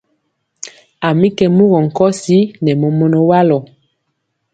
A mi kɛ mugɔ nkɔsi nɛ mɔmɔnɔ walɔ.